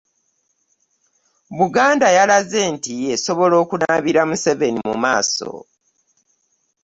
“Buganda yalaze nti esobola okunaabira Museveni mu maaso"